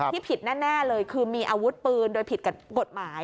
ที่ผิดแน่เลยคือมีอาวุธปืนโดยผิดกฎหมาย